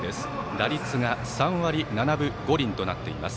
打率が３割７分５厘となっています。